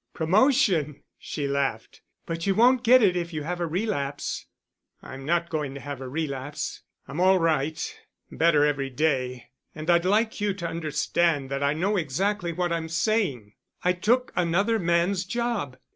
"Promotion," she laughed; "but you won't get it if you have a relapse." "I'm not going to have a relapse. I'm all right. Better every day, and I'd like you to understand that I know exactly what I'm saying. I took another man's job.